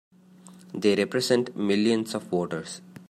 They represent millions of voters!